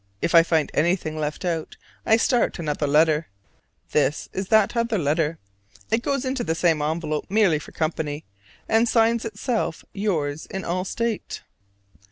If I find anything left out I start another letter: this is that other letter: it goes into the same envelope merely for company, and signs itself yours in all state.